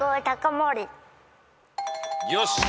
よし。